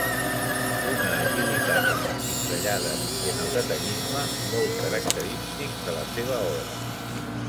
Una agilitat en les pinzellades i en el detallisme molt característics de la seva obra.